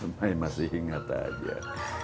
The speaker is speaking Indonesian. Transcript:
mai masih inget aja